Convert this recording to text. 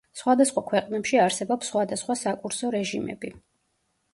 სხვადასხვა ქვეყნებში არსებობს სხვადასხვა საკურსო რეჟიმები.